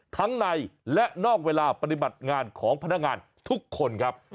ทั้งในและนอกเวลาปฏิบัติงานของพนักงานทุกคนครับ